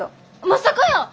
まさかやー！